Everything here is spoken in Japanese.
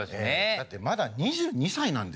だってまだ２２歳なんですよ。